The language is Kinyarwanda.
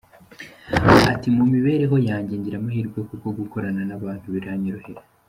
Ati ‘‘Mu mibereho yanjye ngira amahirwe kuko gukorana n’abantu biranyorohera.